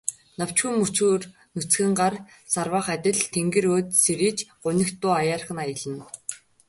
Навчгүй мөчир нүцгэн гар сарвайх адил тэнгэр өөд сэрийж, гунигт дуу аяархан аялна.